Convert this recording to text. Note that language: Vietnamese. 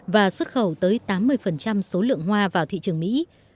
và xuất khẩu tới tám mươi số lượng hoa vào thị trường mỹ